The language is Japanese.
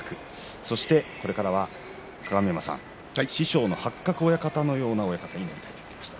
そして、これからは師匠の八角親方のような親方になりたいと言っていましたね。